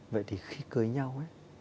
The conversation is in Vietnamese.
vậy thì khi cưới nhau